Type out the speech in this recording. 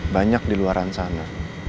banyak di luar sana